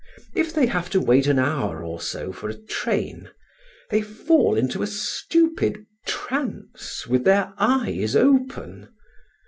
If they have to wait an hour or so for a train, they fall into a stupid trance with their eyes open.